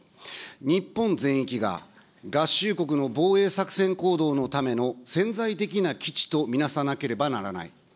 日本全域が合衆国の防衛作戦行動のための潜在的な基地と見なさなければならない。